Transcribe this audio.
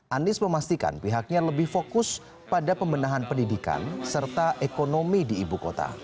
anies memastikan pihaknya lebih fokus pada pembenahan pendidikan serta ekonomi di ibu kota